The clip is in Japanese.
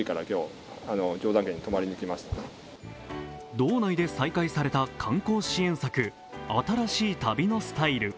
道内で再開された観光支援策「新しい旅のスタイル」。